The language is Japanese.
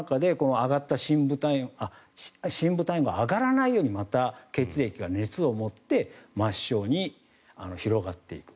体の中で深部体温が上がらないようにまた血液が熱を持って抹消に広がっていく。